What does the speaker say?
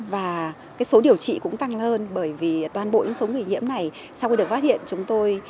và số điều trị cũng tăng hơn bởi vì toàn bộ số người nhiễm này sau khi được phát hiện chúng tôi